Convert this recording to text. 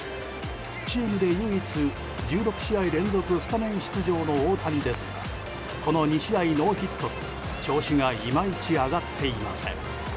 チームで唯一、１６試合連続スタメン出場の大谷ですがこの２試合ノーヒットで調子がいまいち上がっていません。